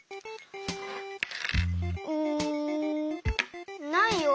うんないよ。